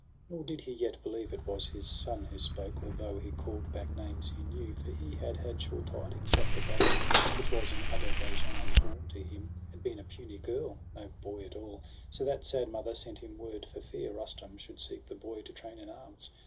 Nor did he yet believe it was his son Who spoke, although he call'd back names he knew ; For he had had sure tidings that the babe, W^hich was in Ader baijan born to him, Had been a puny girl, no boy at all — So that sad mother sent him word, for fear no SOHRAB AND RUSTUM. Rustum should seek the boy, to train in arms.